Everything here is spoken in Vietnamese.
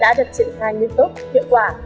đã được triển khai nguyên tốt hiệu quả